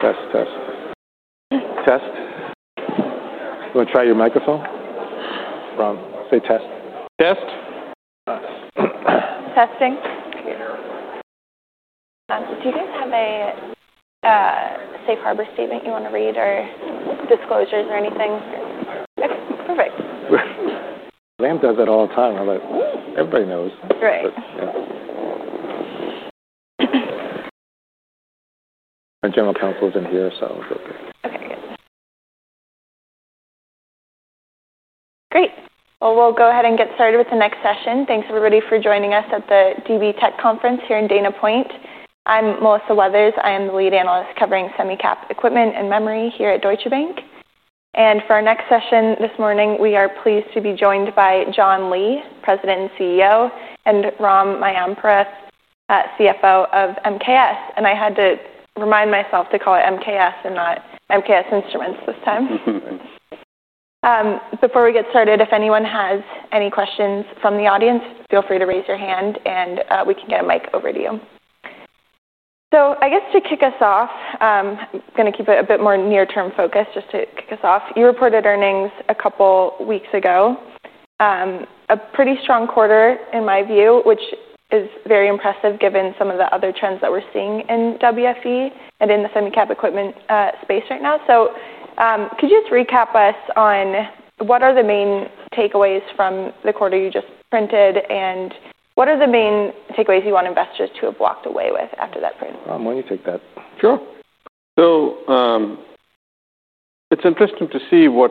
Test, test. Test. You want to try your microphone? Say test. Test. Testing. Do you guys have a safe harbor statement you want to read or disclosures or anything? Okay, perfect. Lam does that all the time. I'm like, everybody knows. Right. Our General Counsel is in here, so feel free. Okay, good. Great. We'll go ahead and get started with the next session. Thanks, everybody, for joining us at the DB Tech Conference here in Dana Point. I'm Melissa Weathers. I am the Lead Analyst covering semicap equipment and memory here at Deutsche Bank. For our next session this morning, we are pleased to be joined by John Lee, President and CEO, and Ram Mayampurath, CFO of MKS. I had to remind myself to call it MKS and not MKS Instruments this time. Before we get started, if anyone has any questions from the audience, feel free to raise your hand and we can get a mic over to you. To kick us off, I'm going to keep it a bit more near-term focus just to kick us off. You reported earnings a couple weeks ago. A pretty strong quarter in my view, which is very impressive given some of the other trends that we're seeing in WFE and in the semicap equipment space right now. Could you just recap us on what are the main takeaways from the quarter you just printed and what are the main takeaways you want investors to have walked away with after that print? Ram, why don't you take that? Sure. It's interesting to see what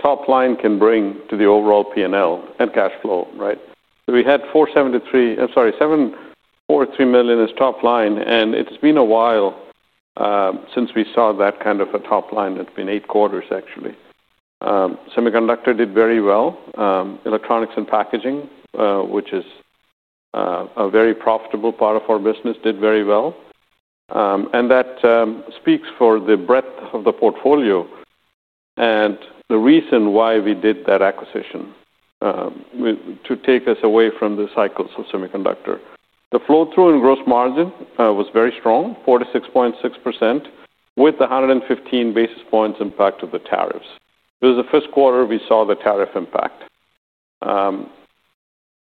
top line can bring to the overall P&L and cash flow, right? We had $743 million as top line, and it's been a while since we saw that kind of a top line. It's been eight quarters, actually. Semiconductor did very well. Electronics and packaging, which is a very profitable part of our business, did very well. That speaks for the breadth of the portfolio and the reason why we did that acquisition to take us away from the cycles of semiconductor. The flow-through and gross margin was very strong, 46.6% with the 115 basis points impact of the tariffs. It was the first quarter we saw the tariff impact.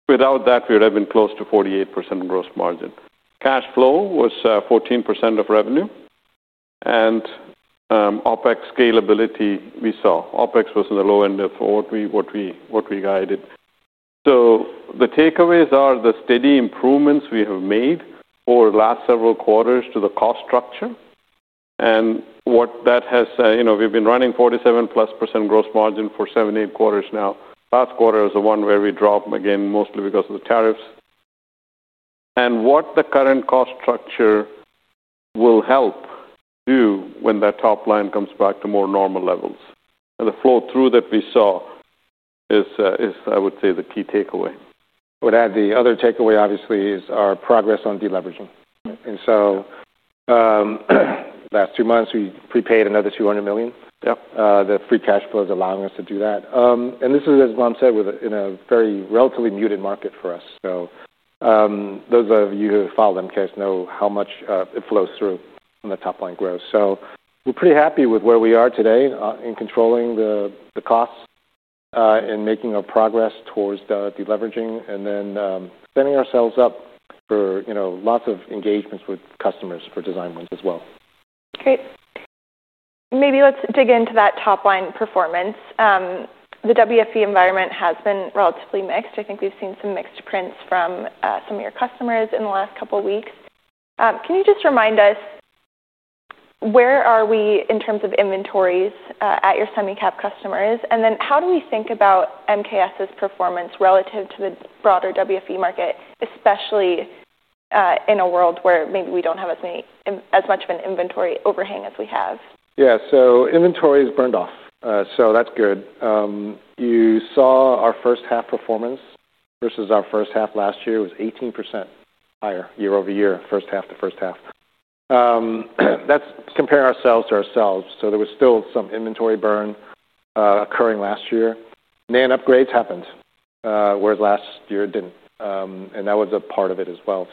Without that, we would have been close to 48% gross margin. Cash flow was 14% of revenue, and OpEx scalability we saw. OpEx was in the low end of what we guided. The takeaways are the steady improvements we have made over the last several quarters to the cost structure. We've been running 47%+ gross margin for seven, eight quarters now. Last quarter is the one where we drop again, mostly because of the tariffs. What the current cost structure will help do when that top line comes back to more normal levels. The flow-through that we saw is, I would say, the key takeaway. What I would add, the other takeaway, obviously, is our progress on deleveraging. In the last two months, we prepaid another $200 million. The free cash flow is allowing us to do that. As Ram said, in a relatively muted market for us, those of you who follow MKS know how much it flows through in the top line growth. We're pretty happy with where we are today in controlling the costs and making our progress towards deleveraging and then spending ourselves up for, you know, lots of engagements with customers for design ones as well. Great. Maybe let's dig into that top line performance. The WFE environment has been relatively mixed. I think we've seen some mixed prints from some of your customers in the last couple weeks. Can you just remind us where are we in terms of inventories at your semicap customers? How do we think about MKS's performance relative to the broader WFE market, especially in a world where maybe we don't have as much of an inventory overhang as we have? Yeah, so inventory is burned off. That's good. You saw our first half performance versus our first half last year was 18% higher year-over-year, first half to first half. That's comparing ourselves to ourselves. There was still some inventory burn occurring last year. Upgrades happened, whereas last year didn't. That was a part of it as well.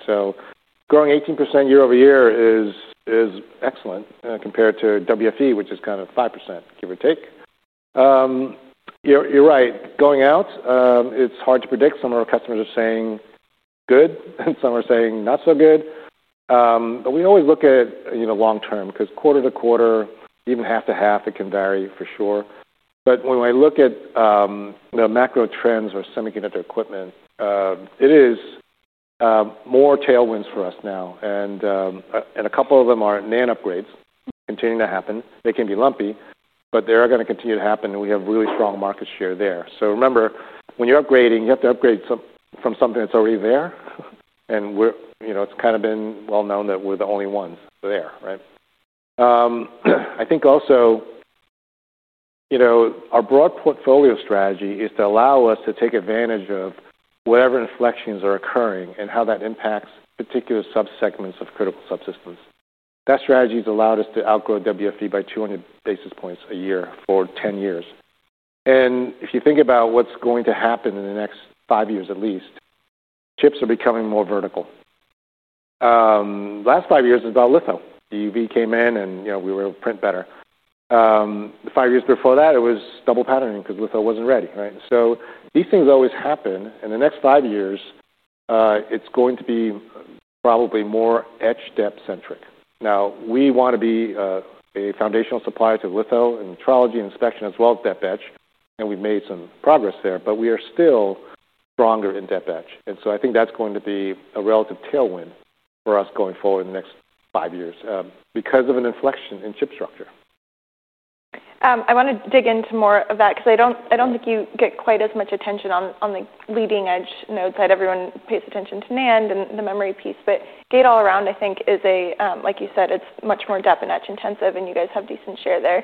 Growing 18% year-over-year is excellent compared to WFE, which is kind of 5%, give or take. You're right. Going out, it's hard to predict. Some of our customers are saying good, and some are saying not so good. We always look at, you know, long-term because quarter to quarter, even half to half, it can vary for sure. When I look at the macro trends for semiconductor equipment, it is more tailwinds for us now. A couple of them are NAND upgrades continuing to happen. They can be lumpy, but they are going to continue to happen. We have really strong market share there. Remember, when you're upgrading, you have to upgrade from something that's already there. It's kind of been well-known that we're the only ones there, right? I think also our broad portfolio strategy is to allow us to take advantage of whatever inflections are occurring and how that impacts particular subsegments of critical subsystems. That strategy has allowed us to outgrow WFE by 200 basis points a year for 10 years. If you think about what's going to happen in the next five years at least, chips are becoming more vertical. The last five years is about lithium. The UV came in and we were able to print better. The five years before that, it was double patterning because lithium wasn't ready, right? These things always happen. In the next five years, it's going to be probably more etch depth centric. We want to be a foundational supplier to lithium and metrology and inspection as well as depth etch. We've made some progress there, but we are still stronger in depth etch. I think that's going to be a relative tailwind for us going forward in the next five years because of an inflection in chip structure. I want to dig into more of that because I don't think you get quite as much attention on the leading edge nodes that everyone pays attention to NAND and the memory piece. Gate-all-around, I think, is, like you said, it's much more depth and etch intensive, and you guys have decent share there.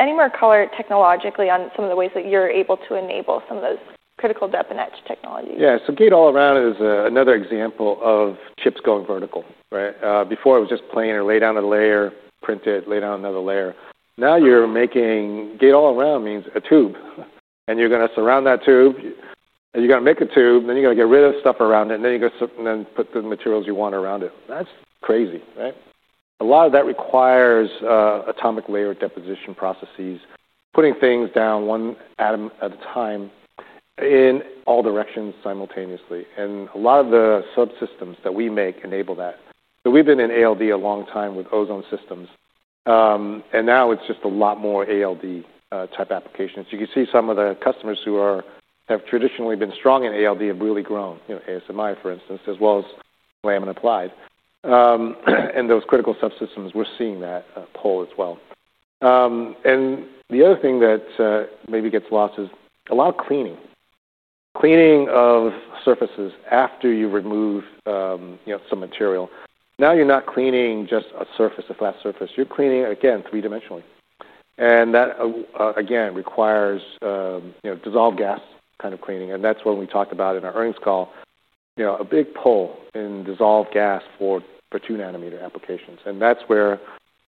Any more color technologically on some of the ways that you're able to enable some of those critical depth and etch technologies? Yeah, gate-all-around is another example of chips going vertical, right? Before, it was just planar, lay down a layer, print it, lay down another layer. Now, gate-all-around means a tube. You're going to surround that tube, and you're going to make a tube, and then you're going to get rid of stuff around it, and then you put the materials you want around it. That's crazy, right? A lot of that requires atomic layer deposition processes, putting things down one atom at a time in all directions simultaneously. A lot of the subsystems that we make enable that. We've been in ALD a long time with ozone systems. Now it's just a lot more ALD-type applications. You can see some of the customers who have traditionally been strong in ALD have really grown, you know, ASMI, for instance, as well as Lam and Applied. Those critical subsystems, we're seeing that pull as well. The other thing that maybe gets lost is a lot of cleaning. Cleaning of surfaces after you remove some material. Now you're not cleaning just a surface, a flat surface. You're cleaning it, again, three-dimensionally. That, again, requires dissolved gas kind of cleaning. That's when we talked about in our earnings call, a big pull in dissolved gas for 2 nm applications. That's where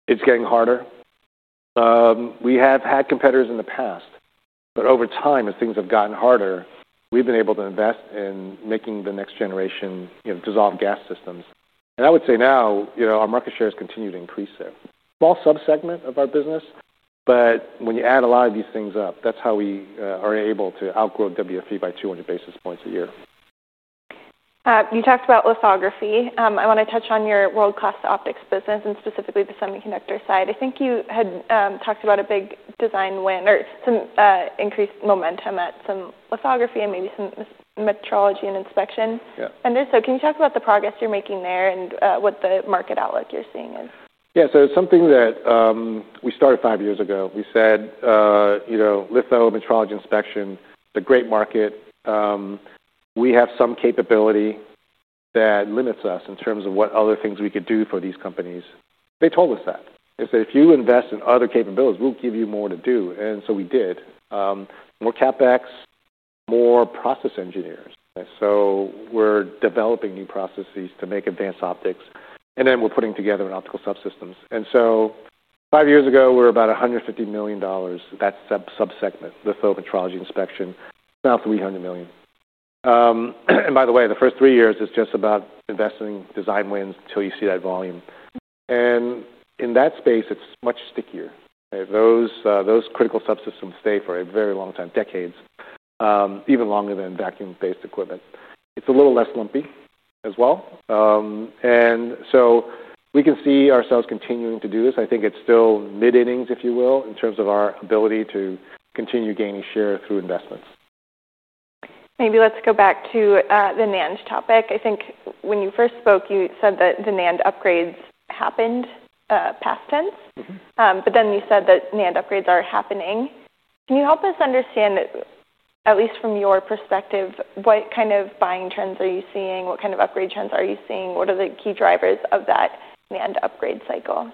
it's getting harder. We have had competitors in the past, but over time, as things have gotten harder, we've been able to invest in making the next generation dissolved gas systems. I would say now our market share has continued to increase there. Small subsegment of our business, but when you add a lot of these things up, that's how we are able to outgrow WFE by 200 basis points a year. You talked about lithography. I want to touch on your world-class optics business and specifically the semiconductor side. I think you had talked about a big design win or some increased momentum at some lithography and maybe some metrology and inspection. Can you talk about the progress you're making there and what the market outlook you're seeing is? Yeah, so it's something that we started five years ago. We said, you know, lithium, metrology, inspection, a great market. We have some capability that limits us in terms of what other things we could do for these companies. They told us that. They said, if you invest in other capabilities, we'll give you more to do. We did more CapEx, more process engineers. We are developing new processes to make advanced optics, and we're putting together an optical subsystem. Five years ago, we were about $150 million in that subsegment, lithium, metrology, inspection, about $300 million. By the way, the first three years is just about investing in design wins until you see that volume. In that space, it's much stickier. Those critical subsystems stay for a very long time, decades, even longer than vacuum-based equipment. It's a little less lumpy as well. We can see ourselves continuing to do this. I think it's still mid-innings, if you will, in terms of our ability to continue gaining share through investments. Maybe let's go back to the NAND topic. I think when you first spoke, you said that the NAND upgrades happened past tense, but then you said that NAND upgrades are happening. Can you help us understand, at least from your perspective, what kind of buying trends are you seeing? What kind of upgrade trends are you seeing? What are the key drivers of that NAND upgrade cycle?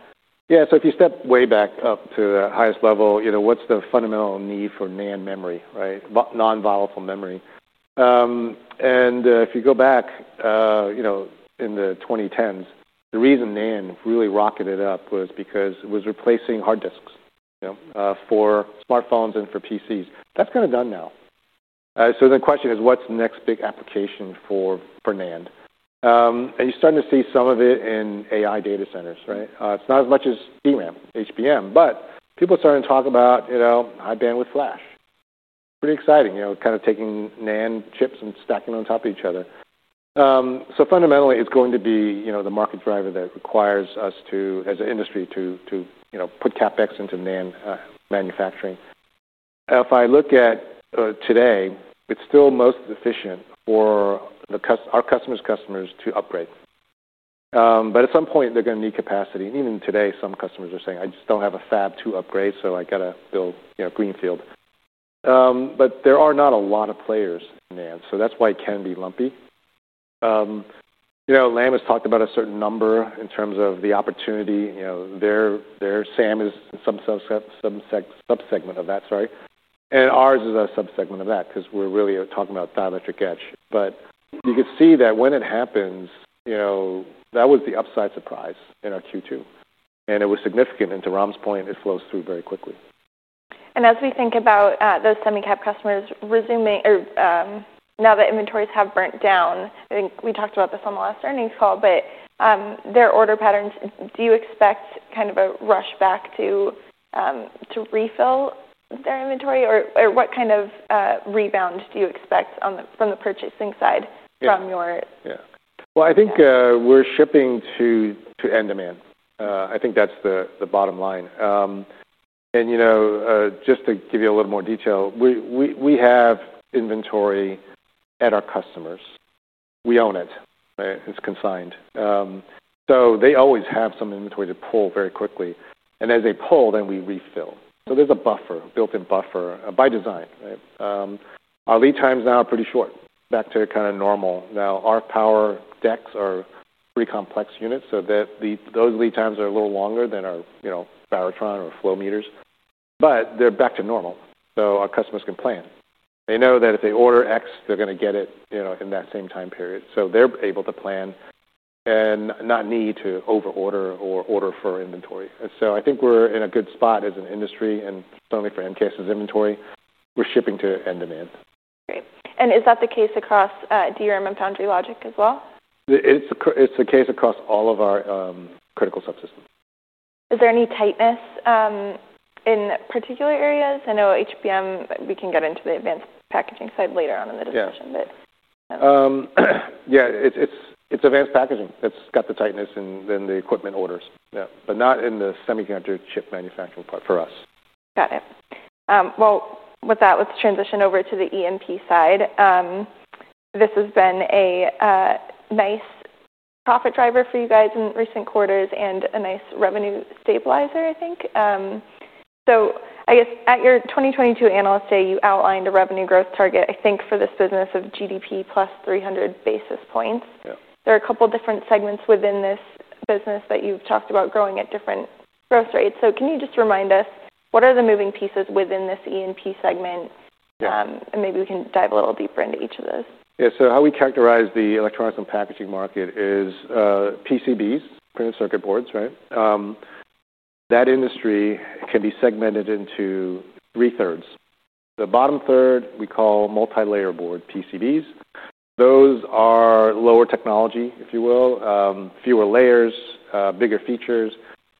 Yeah, so if you step way back up to the highest level, you know, what's the fundamental need for NAND memory, right? Non-volatile memory. If you go back, you know, in the 2010s, the reason NAND really rocketed up was because it was replacing hard disks, you know, for smartphones and for PCs. That's kind of done now. The question is, what's the next big application for NAND? You're starting to see some of it in AI data centers, right? It's not as much as DRAM, HBM, but people are starting to talk about, you know, high bandwidth flash. It's pretty exciting, you know, kind of taking NAND chips and stacking on top of each other. Fundamentally, it's going to be, you know, the market driver that requires us to, as an industry, to, you know, put CapEx into NAND manufacturing. If I look at today, it's still most efficient for our customers' customers to upgrade. At some point, they're going to need capacity. Even today, some customers are saying, I just don't have a fab to upgrade, so I got to build, you know, greenfield. There are not a lot of players in NAND, so that's why it can be lumpy. Lam has talked about a certain number in terms of the opportunity. Their SAM is some subsegment of that, sorry. Ours is a subsegment of that because we're really talking about dielectric edge. You can see that when it happens, you know, that was the upside surprise in our Q2. It was significant. To Ram's point, it flows through very quickly. As we think about those semicap customers, now that inventories have burnt down, I think we talked about this on the last earnings call. Their order patterns, do you expect kind of a rush back to refill their inventory, or what kind of rebound do you expect from the purchasing side from your? I think we're shipping to end demand. I think that's the bottom line. Just to give you a little more detail, we have inventory at our customers. We own it. It's consigned. They always have some inventory to pull very quickly. As they pull, then we refill. There's a buffer, built-in buffer by design. Our lead times now are pretty short, back to kind of normal. Our power decks are pretty complex units, so those lead times are a little longer than our baratron or flow meters, but they're back to normal. Our customers can plan. They know that if they order X, they're going to get it in that same time period. They're able to plan and not need to over-order or order for inventory. I think we're in a good spot as an industry and certainly for MKS' inventory. We're shipping to end demand. Is that the case across DRAM and foundry logic as well? It's the case across all of our critical subsystems. Is there any tightness in particular areas? I know HBM, we can get into the advanced packaging side later on in the discussion. Yeah, it's advanced packaging that's got the tightness, and then the equipment orders, not in the semiconductor chip manufacturing part for us. Got it. With that, let's transition over to the E&P side. This has been a nice profit driver for you guys in recent quarters and a nice revenue stabilizer, I think. At your 2022 Analyst Day, you outlined a revenue growth target, I think, for this business of GDP +300 basis points. There are a couple of different segments within this business that you've talked about growing at different growth rates. Can you just remind us what are the moving pieces within this E&P segment? Yeah, and maybe we can dive a little deeper into each of those. Yeah, so how we characterize the electronics and packaging market is PCBs, printed circuit boards, right? That industry can be segmented into three thirds. The bottom third we call multi-layer board PCBs. Those are lower technology, if you will, fewer layers, bigger features.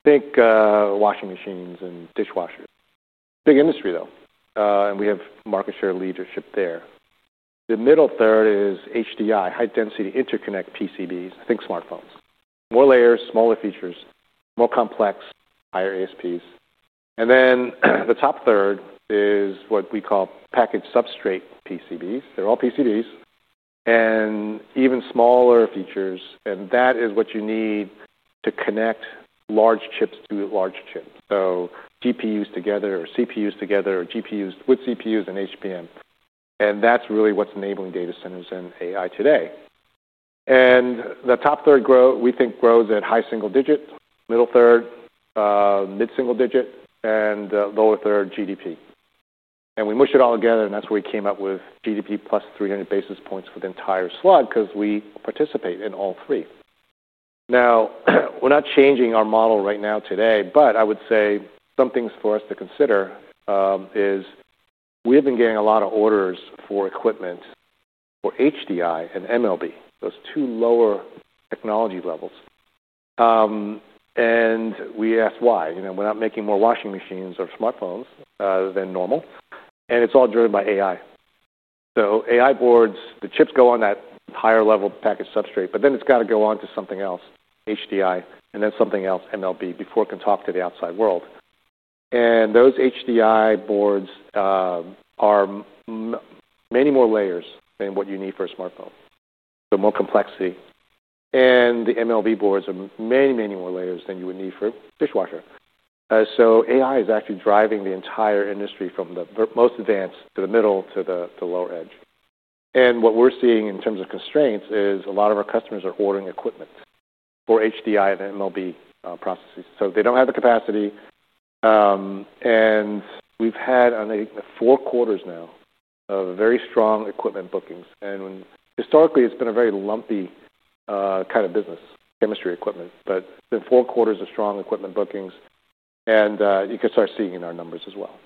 Think washing machines and dishwashers. Big industry, though. We have market share leadership there. The middle third is HDI, high-density interconnect PCBs, I think smartphones. More layers, smaller features, more complex, higher ASPs. The top third is what we call packaged substrate PCBs. They're all PCBs and even smaller features. That is what you need to connect large chips through large chips. GPUs together or CPUs together or GPUs with CPUs and HBM. That's really what's enabling data centers and AI today. The top third growth, we think, grows at high single digit, middle third, mid-single digit, and lower third GDP. We mush it all together, and that's where we came up with GDP +300 basis points for the entire slot because we participate in all three. We're not changing our model right now today, but I would say some things for us to consider is we have been getting a lot of orders for equipment for HDI and MLB, those two lower technology levels. We ask why. We're not making more washing machines or smartphones than normal. It's all driven by AI. AI boards, the chips go on that higher level packaged substrate, but then it's got to go on to something else, HDI, and then something else, MLB, before it can talk to the outside world. Those HDI boards are many more layers than what you need for a smartphone, so more complexity. The MLB boards are many, many more layers than you would need for a dishwasher. AI is actually driving the entire industry from the most advanced to the middle to the lower edge. What we're seeing in terms of constraints is a lot of our customers are ordering equipment for HDI and MLB processes, so they don't have the capacity. We've had, I think, four quarters now of very strong equipment bookings. Historically, it's been a very lumpy kind of business, chemistry equipment. It's been four quarters of strong equipment bookings. You can start seeing in our numbers as well.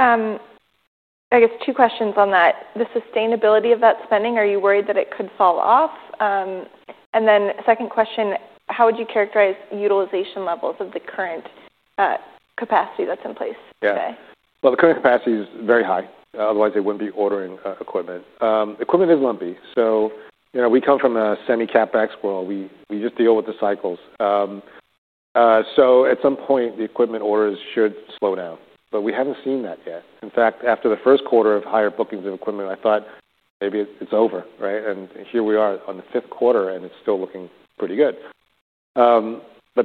I guess two questions on that. The sustainability of that spending, are you worried that it could fall off? The second question, how would you characterize utilization levels of the current capacity that's in place today? The current capacity is very high. Otherwise, they wouldn't be ordering equipment. Equipment is lumpy. You know, we come from a semi-CapEx world. We just deal with the cycles. At some point, the equipment orders should slow down. We haven't seen that yet. In fact, after the first quarter of higher bookings of equipment, I thought maybe it's over, right? Here we are on the fifth quarter, and it's still looking pretty good. The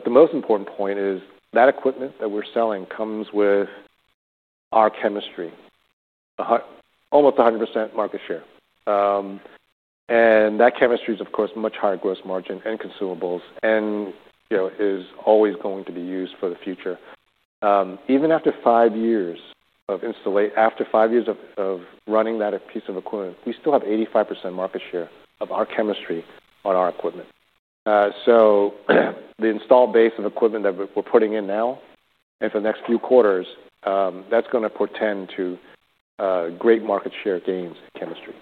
most important point is that equipment that we're selling comes with our chemistry, almost 100% market share. That chemistry is, of course, much higher gross margin and consumables and is always going to be used for the future. Even after five years of installation, after five years of running that piece of equipment, we still have 85% market share of our chemistry on our equipment. The install base of equipment that we're putting in now, and for the next few quarters, that's going to portend to great market share gains in chemistry.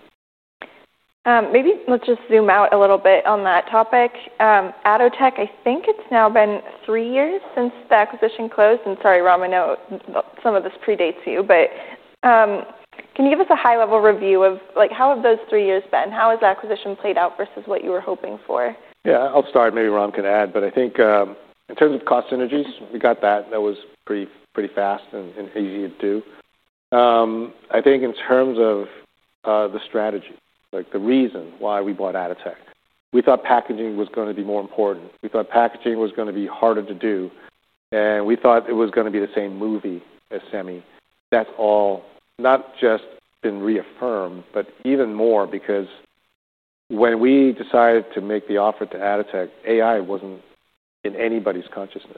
Maybe let's just zoom out a little bit on that topic. Atotech, I think it's now been three years since the acquisition closed. Sorry, Ram, I know some of this predates you, but can you give us a high-level review of how have those three years been? How has the acquisition played out versus what you were hoping for? Yeah, I'll start. Maybe Ram can add, but I think in terms of cost synergies, we got that. That was pretty fast and easy to do. I think in terms of the strategy, like the reason why we bought Atotech, we thought packaging was going to be more important. We thought packaging was going to be harder to do. We thought it was going to be the same movie as semi. That's all not just been reaffirmed, but even more because when we decided to make the offer to Atotech, AI wasn't in anybody's consciousness.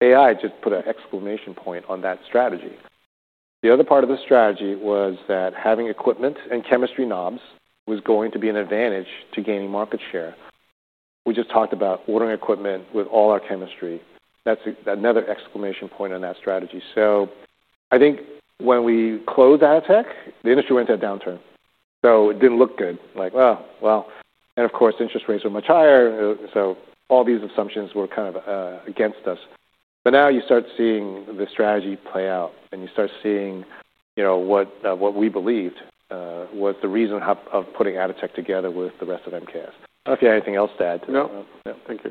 AI just put an exclamation point on that strategy. The other part of the strategy was that having equipment and chemistry knobs was going to be an advantage to gaining market share. We just talked about ordering equipment with all our chemistry. That's another exclamation point on that strategy. I think when we closed Atotech, the industry went to a downturn. It didn't look good, like, oh, well. Of course, interest rates were much higher. All these assumptions were kind of against us. Now you start seeing the strategy play out and you start seeing what we believed, what the reason of putting Atotech together with the rest of MKS. I don't know if you have anything else to add. No, thank you.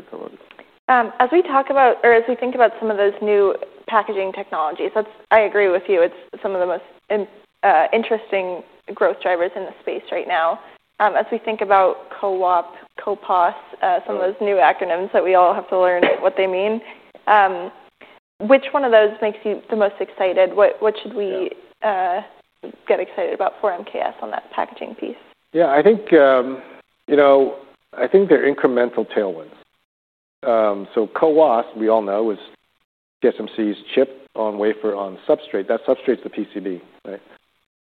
As we talk about or as we think about some of those new packaging technologies, I agree with you. It's some of the most interesting growth drivers in the space right now. As we think about CoWoS, CoPoS, some of those new acronyms that we all have to learn what they mean, which one of those makes you the most excited? What should we get excited about for MKS on that packaging piece? Yeah, I think they're incremental tailwinds. CoWoS, we all know, is TSMC's chip on wafer on substrate. That substrate's the PCB, right?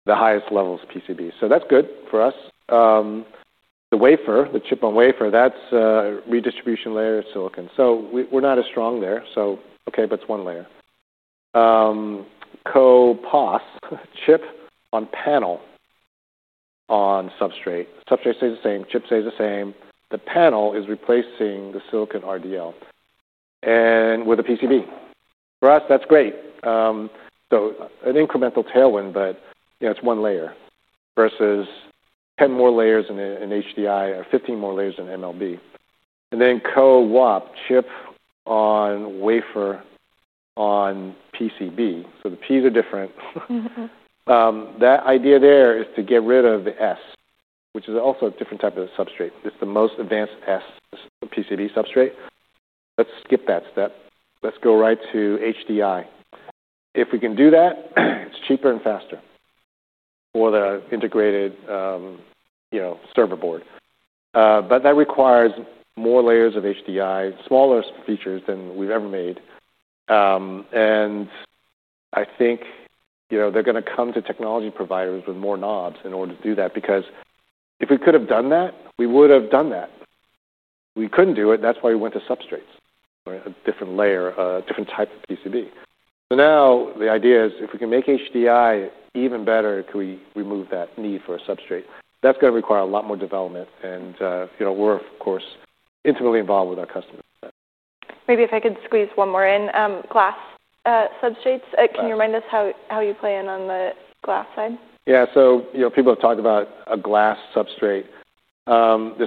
The highest level's PCB. That's good for us. The wafer, the chip on wafer, that's a redistribution layer of silicon. We're not as strong there. It's one layer. CoPoS, chip on panel on substrate. Substrate stays the same. Chip stays the same. The panel is replacing the silicon RDL with a PCB. For us, that's great. It's an incremental tailwind, but it's one layer versus 10 more layers in HDI or 15 more layers in MLB. Then CoWoS, chip on wafer on PCB. The P's are different. That idea there is to get rid of the S, which is also a different type of substrate. It's the most advanced S, the PCB substrate. Let's skip that step. Go right to HDI. If we can do that, it's cheaper and faster for the integrated server board. That requires more layers of HDI, smaller features than we've ever made. I think they're going to come to technology providers with more knobs in order to do that because if we could have done that, we would have done that. We couldn't do it. That's why we went to substrates, a different layer, a different type of PCB. Now the idea is if we can make HDI even better, can we remove that need for a substrate? That's going to require a lot more development. We're, of course, intimately involved with our customers. Maybe if I could squeeze one more in, glass substrates, can you remind us how you plan on the glass side? Yeah, people have talked about a glass substrate. There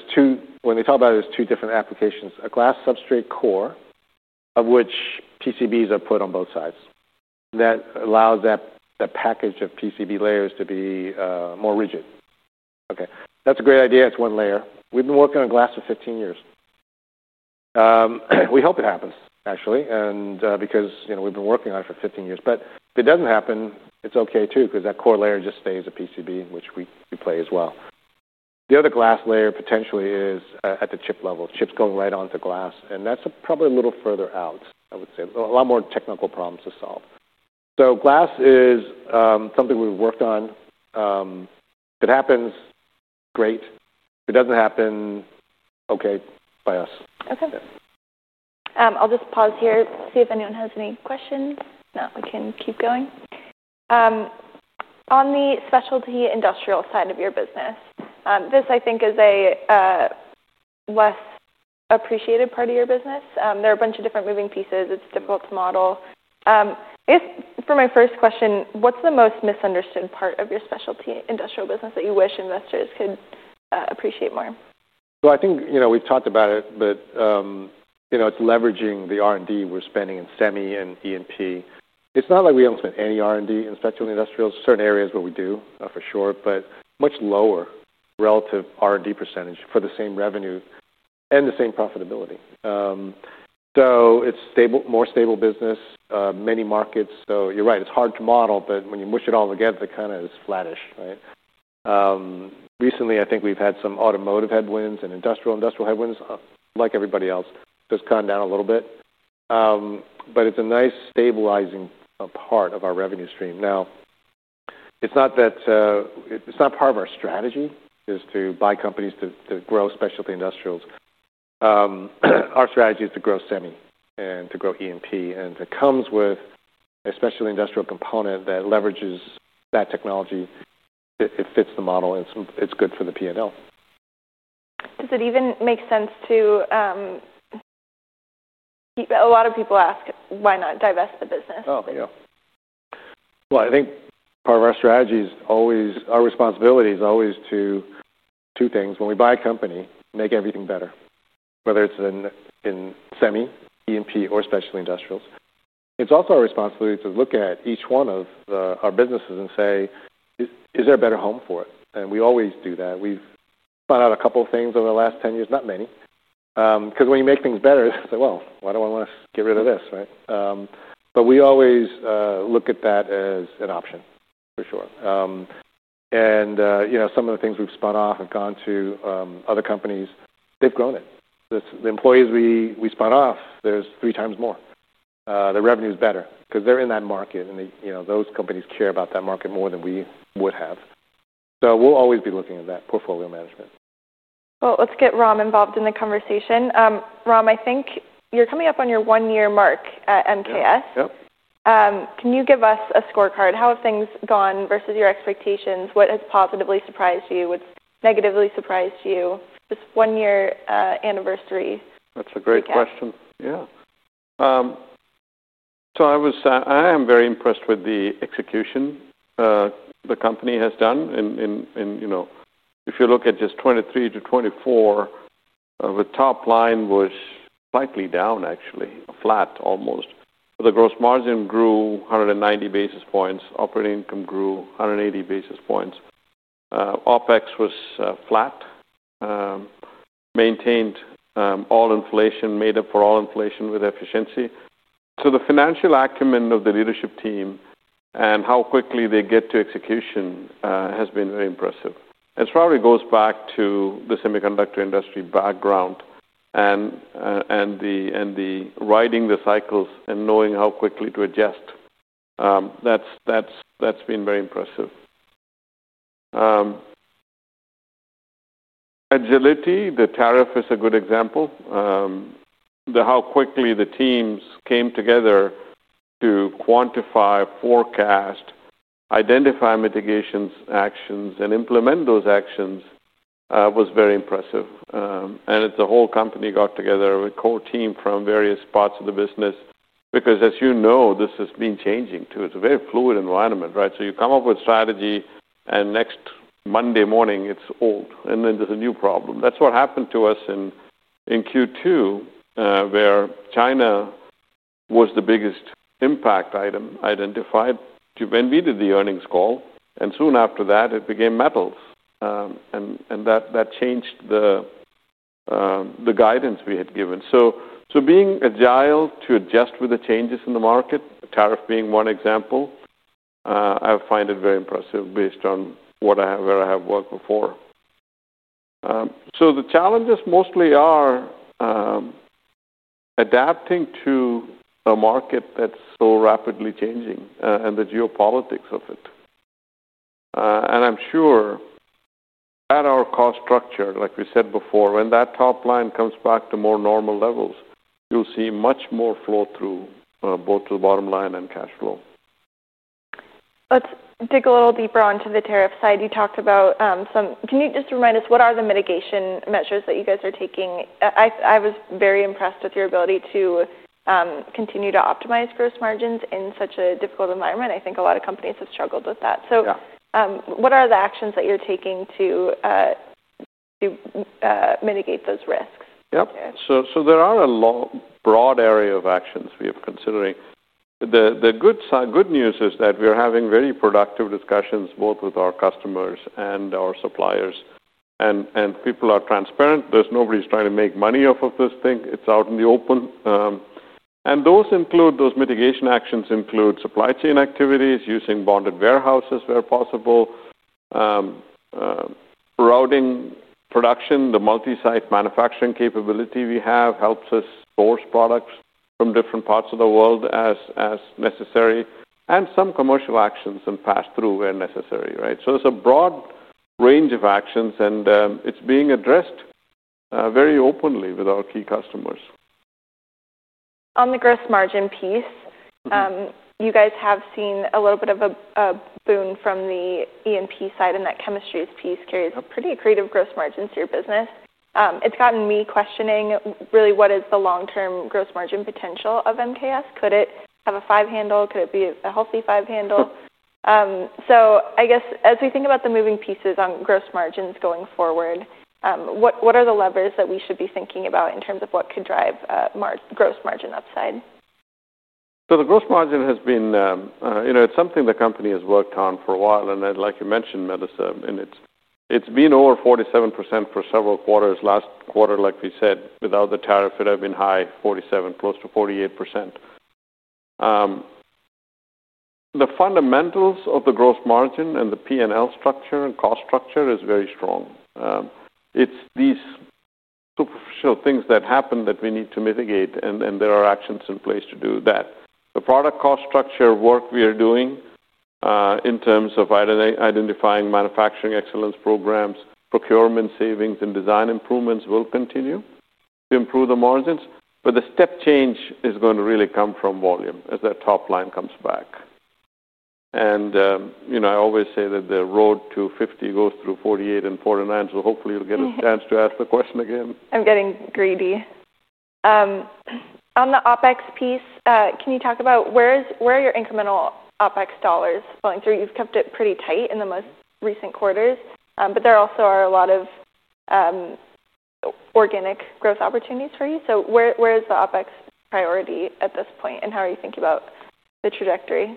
are two, when they talk about it, there are two different applications. A glass substrate core, of which PCBs are put on both sides, allows that package of PCB layers to be more rigid. OK, that's a great idea. It's one layer. We've been working on glass for 15 years. We hope it happens, actually, because we've been working on it for 15 years. If it doesn't happen, it's OK too because that core layer just stays a PCB, which we play as well. The other glass layer potentially is at the chip level, with chips going right onto glass. That's probably a little further out, I would say. There are a lot more technical problems to solve. Glass is something we've worked on. If it happens, great. If it doesn't happen, OK by us. OK. I'll just pause here, see if anyone has any questions. If not, we can keep going. On the specialty industrial side of your business, this, I think, is a less appreciated part of your business. There are a bunch of different moving pieces. It's difficult to model. I guess for my first question, what's the most misunderstood part of your specialty industrial business that you wish investors could appreciate more? I think, you know, we've talked about it, but it's leveraging the R&D we're spending in semi and E&P. It's not like we haven't spent any R&D in specialty industrials. Certain areas where we do, for sure, but much lower relative R&D percentage for the same revenue and the same profitability. It's a more stable business, many markets. You're right, it's hard to model, but when you mush it all together, it kind of is flattish, right? Recently, I think we've had some automotive headwinds and industrial headwinds, like everybody else. It's just gone down a little bit. It's a nice stabilizing part of our revenue stream. It's not that it's not part of our strategy to buy companies to grow specialty industrials. Our strategy is to grow semi and to grow E&P. It comes with a specialty industrial component that leverages that technology. It fits the model. It's good for the P&L. Does it even make sense to keep a lot of people ask why not divest the business? Oh, yeah. I think part of our strategy is always our responsibility is always to do things. When we buy a company, make everything better, whether it's in semi, E&P, or specialty industrials. It's also our responsibility to look at each one of our businesses and say, is there a better home for it? We always do that. We've spun out a couple of things over the last 10 years, not many. Because when you make things better, it's like, why do I want to get rid of this, right? We always look at that as an option, for sure. Some of the things we've spun off have gone to other companies. They've grown it. The employees we spun off, there's 3x more. Their revenue is better because they're in that market. Those companies care about that market more than we would have. We'll always be looking at that portfolio management. Let's get Ram involved in the conversation. Ram, I think you're coming up on your one-year mark at MKS. Yep. Can you give us a scorecard? How have things gone versus your expectations? What has positively surprised you? What's negatively surprised you? This one-year anniversary. That's a great question. I am very impressed with the execution the company has done. If you look at just 2023-2024, the top line was slightly down, actually, flat almost. The gross margin grew 190 basis points. Operating income grew 180 basis points. OpEx was flat. Maintained all inflation, made up for all inflation with efficiency. The financial acumen of the leadership team and how quickly they get to execution has been very impressive. It probably goes back to the semiconductor industry background and riding the cycles and knowing how quickly to adjust. That has been very impressive. Agility, the tariff is a good example. How quickly the teams came together to quantify, forecast, identify mitigations, actions, and implement those actions was very impressive. The whole company got together with a core team from various parts of the business because, as you know, this has been changing too. It's a very fluid environment, right? You come up with a strategy and next Monday morning, it's old. Then there's a new problem. That is what happened to us in Q2, where China was the biggest impact item identified when we did the earnings call. Soon after that, it became metals. That changed the guidance we had given. Being agile to adjust with the changes in the market, the tariff being one example, I find it very impressive based on where I have worked before. The challenges mostly are adapting to a market that's so rapidly changing and the geopolitics of it. I am sure at our cost structure, like we said before, when that top line comes back to more normal levels, you'll see much more flow through both to the bottom line and cash flow. Let's dig a little deeper onto the tariff side. You talked about some, can you just remind us what are the mitigation measures that you guys are taking? I was very impressed with your ability to continue to optimize gross margins in such a difficult environment. I think a lot of companies have struggled with that. What are the actions that you're taking to mitigate those risks? There are a broad area of actions we are considering. The good news is that we are having very productive discussions both with our customers and our suppliers. People are transparent. There's nobody trying to make money off of this thing. It's out in the open. Those mitigation actions include supply chain activities, using bonded warehouses where possible, routing production, the multi-site manufacturing capability we have helps us source products from different parts of the world as necessary, and some commercial actions and pass-through where necessary, right? It's a broad range of actions, and it's being addressed very openly with our key customers. On the gross margin piece, you guys have seen a little bit of a boon from the E&P side, and that chemistries piece carries pretty creative gross margins to your business. It's gotten me questioning really what is the long-term gross margin potential of MKS. Could it have a five-handle? Could it be a healthy five-handle? As we think about the moving pieces on gross margins going forward, what are the levers that we should be thinking about in terms of what could drive gross margin upside? The gross margin has been, you know, it's something the company has worked on for a while. Like you mentioned, Melissa, it's been over 47% for several quarters. Last quarter, like we said, without the tariff, it had been high, 47%, close to 48%. The fundamentals of the gross margin and the P&L structure and cost structure are very strong. It's these superficial things that happen that we need to mitigate, and there are actions in place to do that. The product cost structure work we are doing in terms of identifying manufacturing excellence programs, procurement savings, and design improvements will continue to improve the margins. The step change is going to really come from volume as that top line comes back. You know, I always say that the road to 50 goes through 48 and 49. Hopefully, you'll get a chance to ask the question again. I'm getting greedy. On the OpEx piece, can you talk about where are your incremental OpEx dollars flowing through? You've kept it pretty tight in the most recent quarters, but there also are a lot of organic growth opportunities for you. Where is the OpEx priority at this point, and how are you thinking about the trajectory?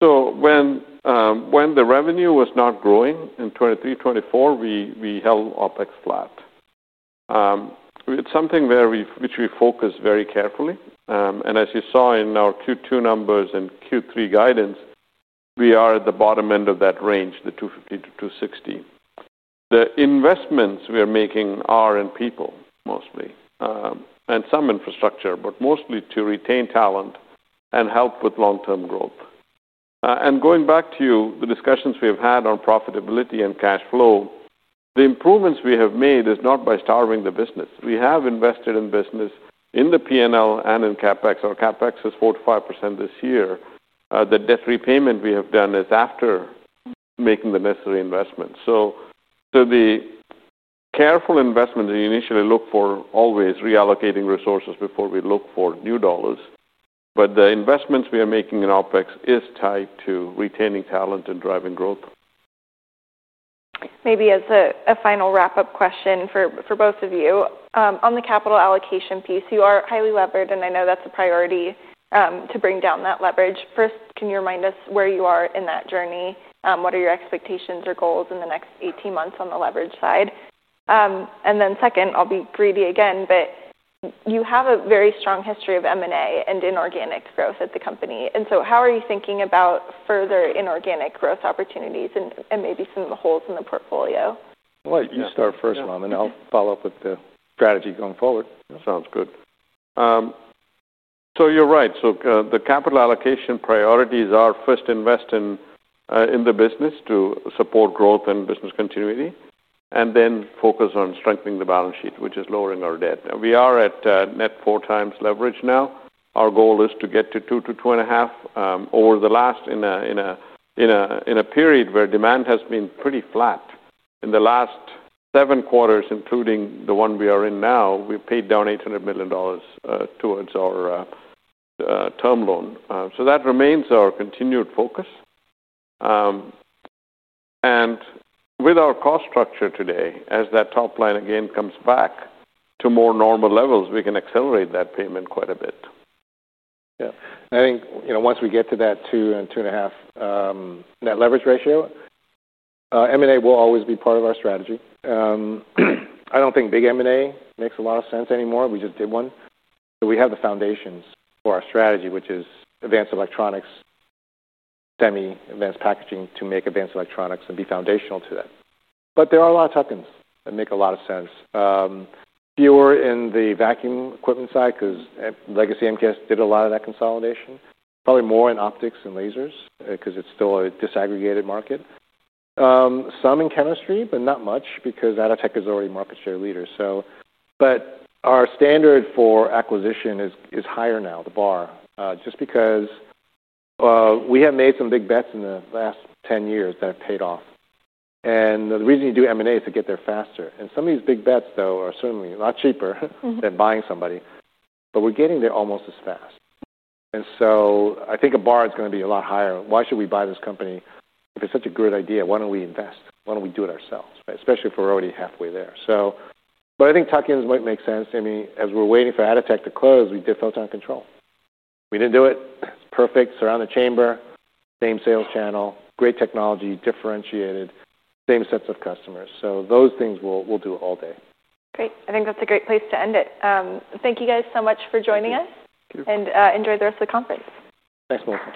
When the revenue was not growing in 2023, 2024, we held OpEx flat. It's something which we focus very carefully. As you saw in our Q2 numbers and Q3 guidance, we are at the bottom end of that range, the $250 million-$260 million. The investments we are making are in people mostly, and some infrastructure, but mostly to retain talent and help with long-term growth. Going back to the discussions we have had on profitability and cash flow, the improvements we have made are not by starving the business. We have invested in business in the P&L and in CapEx. Our CapEx is 45% this year. The debt repayment we have done is after making the necessary investments. The careful investments we initially look for always reallocating resources before we look for new dollars. The investments we are making in OpEx are tied to retaining talent and driving growth. Maybe as a final wrap-up question for both of you, on the capital allocation piece, you are highly leveraged, and I know that's a priority to bring down that leverage. First, can you remind us where you are in that journey? What are your expectations or goals in the next 18 months on the leverage side? And then second, I’ll be greedy again, but you have a very strong history of M&A and inorganic growth at the company. How are you thinking about further inorganic growth opportunities and maybe some holes in the portfolio? Why don't you start first, Ram, and I'll follow up with the strategy going forward? Sounds good. You're right. The capital allocation priorities are first investing in the business to support growth and business continuity, and then focus on strengthening the balance sheet, which is lowering our debt. We are at net 4x leverage now. Our goal is to get to 2x-2.5x over the last, in a period where demand has been pretty flat. In the last seven quarters, including the one we are in now, we paid down $800 million towards our term loan. That remains our continued focus. With our cost structure today, as that top line again comes back to more normal levels, we can accelerate that payment quite a bit. I think, once we get to that 2x and 2.5x net leverage ratio, M&A will always be part of our strategy. I don't think big M&A makes a lot of sense anymore. We just did one. We have the foundations for our strategy, which is advanced electronics, semi-advanced packaging to make advanced electronics and be foundational to that. There are a lot of tokens that make a lot of sense. Fewer in the vacuum equipment side because legacy MKS did a lot of that consolidation. Probably more in optics and lasers because it's still a disaggregated market. Some in chemistry, but not much because Atotech is already a market share leader. Our standard for acquisition is higher now, the bar, just because we have made some big bets in the last 10 years that have paid off. The reason you do M&A is to get there faster. Some of these big bets, though, are certainly a lot cheaper than buying somebody. We're getting there almost as fast. I think a bar is going to be a lot higher. Why should we buy this company? If it's such a good idea, why don't we invest? Why don't we do it ourselves? Especially if we're already halfway there. I think tokens might make sense. As we're waiting for Atotech to close, we did Photon Control. We didn't do it. It's perfect. Surround the chamber. Same sale channel. Great technology. Differentiated. Same sets of customers. Those things we'll do all day. Great. I think that's a great place to end it. Thank you guys so much for joining us. Enjoy the rest of the conference. Thanks, Melissa.